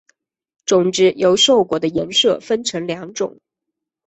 种子由瘦果的颜色分成两种。